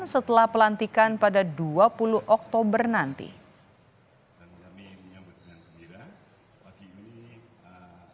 setelah pelantikan pada dua puluh oktober nanti